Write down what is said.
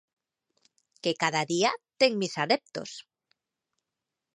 Que cada día ten mis adeptos.